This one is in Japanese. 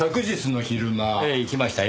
ええ行きましたよ